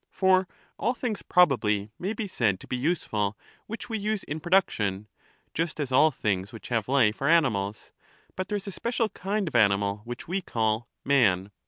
For all things probably may be said to be useful which we use in production, just as all things which have life are animals, but there is a special kind of animal which we call ' man.'